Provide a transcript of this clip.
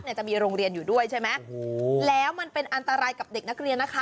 จะมีโรงเรียนอยู่ด้วยใช่ไหมโอ้โหแล้วมันเป็นอันตรายกับเด็กนักเรียนนะคะ